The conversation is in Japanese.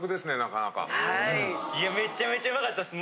めちゃめちゃうまかったです。